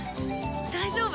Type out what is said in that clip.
大丈夫。